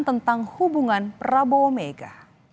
tentang hubungan prabowo mega